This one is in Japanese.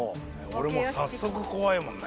俺も早速怖いもんね。